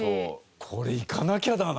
これ行かなきゃだな。